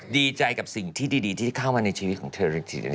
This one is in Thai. ดีใจกับสิ่งที่ดีที่เข้ามาในชีวิตของเธอเลยทีเดียว